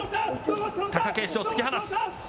貴景勝、突き放す。